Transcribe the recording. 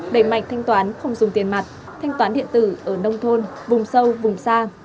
đẩy mạnh thanh toán không dùng tiền mặt thanh toán điện tử ở nông thôn vùng sâu vùng xa